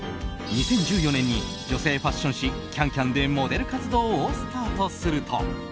２０１４年に女性ファッション誌「ＣａｎＣａｍ」でモデル活動をスタートすると。